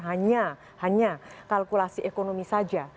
hanya kalkulasi ekonomi saja